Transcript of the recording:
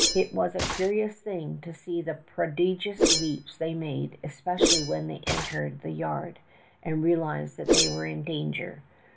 "It was a curious thing to see the prodigious leaps they made, especially when they entered the yard, and realized that they were in danger.